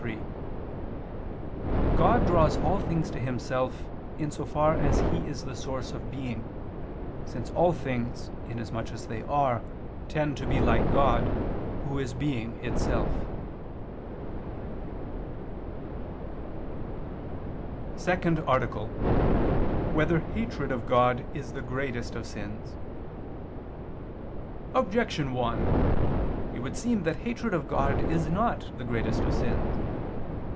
3: God draws all things to Himself, in so far as He is the source of being, since all things, in as much as they are, tend to be like God, Who is Being itself. _______________________ SECOND ARTICLE [II II, Q. 34, Art. 2] Whether Hatred of God Is the Greatest of Sins? Objection 1: It would seem that hatred of God is not the greatest of sins.